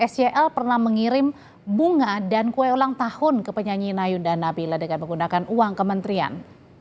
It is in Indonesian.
sel pernah mengirim bunga dan kue ulang tahun ke penyanyi nayunda nabila dengan menggunakan uang kementerian